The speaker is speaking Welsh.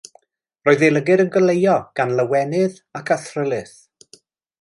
Roedd ei lygaid yn goleuo gan lawenydd ac athrylith.